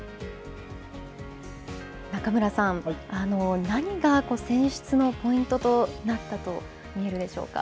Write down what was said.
中村さん、何が選出のポイントとなったと見られるでしょうか。